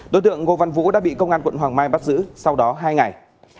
đối tượng ngô văn vũ đã bị công an quận hoàng mai bắt giữ sau đó hai ngày